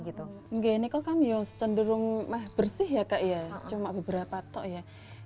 ini kok kami secenderung bersih ya kak cuma beberapa tok ya